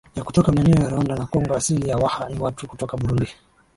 ya kutoka maeneo ya Rwanda na Kongo Asili ya Waha ni watu kutoka Burundi